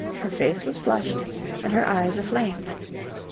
Her face was flushed and her eyes aflame.